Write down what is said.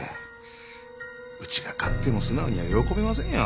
うちが勝っても素直には喜べませんよ。